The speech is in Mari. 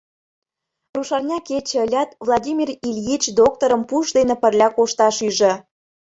Рушарня кече ылят, Владимир Ильич докторым пуш дене пырля кошташ ӱжӧ.